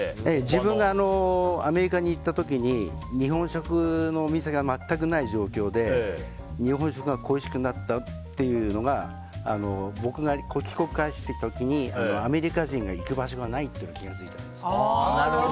自分がアメリカに行った時に日本食のお店が全くない状況で日本食が恋しくなったというのが僕が帰国した時にアメリカ人が行く場所がないと気が付いたんです。